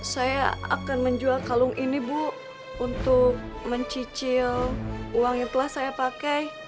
saya akan menjual kalung ini bu untuk mencicil uang yang telah saya pakai